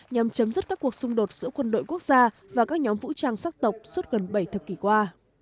nhằm chấm dứt các cuộc xung đột giữa quân đội quốc gia và các nhóm vũ trang sắc tộc suốt gần bảy thập kỷ qua